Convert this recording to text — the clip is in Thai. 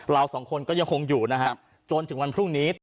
เราสองคนก็ยังคงอยู่นะครับจนถึงวันพรุ่งนี้